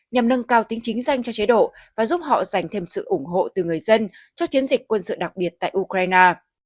nhằm nâng cao tính chính danh cho chế độ và giúp họ giành thêm sự ủng hộ từ người dân cho chiến dịch quân sự đặc biệt tại ukraine